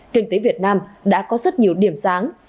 kinh tế việt nam đã có rất nhiều điểm sáng